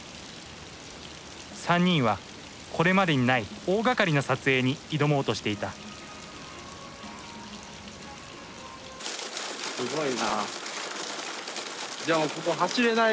３人はこれまでにない大がかりな撮影に挑もうとしていたえ。